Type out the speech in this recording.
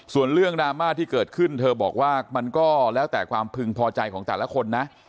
ส่วนเรื่องดราม่าที่เกิดขึ้นเธอบอกว่ามันก็แล้วแต่ความพึงพอใจของแต่ละคนนะ